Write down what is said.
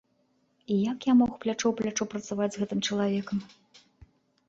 І як я мог плячо ў плячо працаваць з гэтым чалавекам?